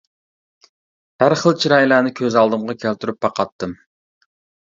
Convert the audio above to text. ھەر خىل چىرايلارنى كۆز ئالدىمغا كەلتۈرۈپ باقاتتىم.